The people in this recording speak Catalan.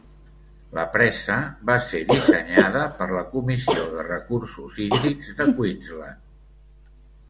La presa va ser dissenyada per la Comissió de Recursos Hídrics de Queensland.